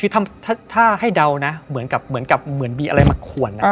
ถ้าให้เดานะเหมือนมีอะไรมาขวน